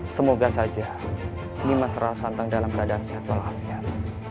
semoga saja nimasara santang dalam keadaan sehat dan hafian